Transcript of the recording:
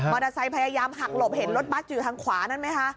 มอเตอร์ไซค์พยายามหักหลบเห็นรถบัสอยู่ทางขวานั้นไหมคะ